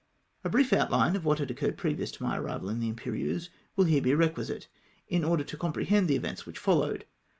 A brief outline of what had occurred previous to my arrival in the Imperieuse, will here be requisite, in order to comprehend the events which followed.